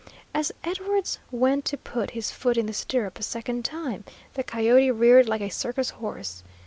As Edwards went to put his foot in the stirrup a second time, the coyote reared like a circus horse.